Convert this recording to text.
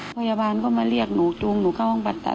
พยาบาลก็มาเรียกหนูจูงหนูเข้าห้องผ่าตัด